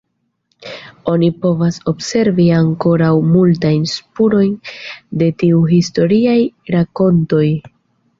Oni povas observi ankoraŭ multajn spurojn de tiuj historiaj rakontoj.